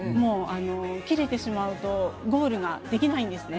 切れてしまうとゴールができないんですね。